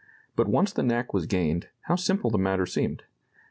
But once the knack was gained, how simple the matter seemed!